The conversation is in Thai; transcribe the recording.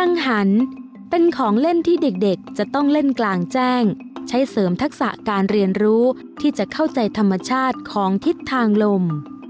ังหันเป็นของเล่นที่เด็กจะต้องเล่นกลางแจ้งใช้เสริมทักษะการเรียนรู้ที่จะเข้าใจธรรมชาติของทิศทางลม